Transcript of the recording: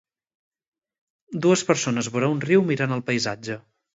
Dues persones vora un riu mirant el paisatge.